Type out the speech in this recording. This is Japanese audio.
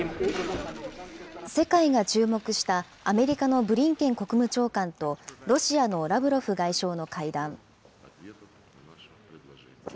世界が注目したアメリカのブリンケン国務長官とロシアのラブロフ外相の会談。